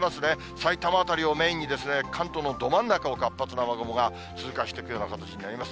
埼玉辺りをメインに関東のど真ん中を活発な雨雲が通過していくような形になります。